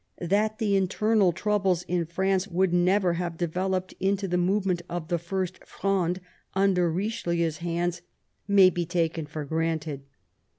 That the internal troubles in France would never have developed into the movement of the First Fronde under Eichelieu's hands may be taken for granted.